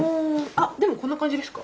あでもこんな感じですか？